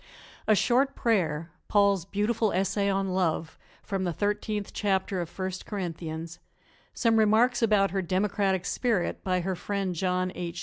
A short prayer, Paul's beautiful essay on "Love" from the Thirteenth Chapter of First Corinthians, some remarks about her democratic spirit by her friend, John H.